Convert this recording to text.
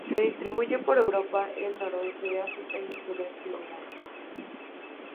Se distribuye por Europa, el noroeste de África y el suroeste de Asia.